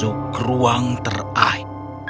aku akan membuatmu ke ruang terakhir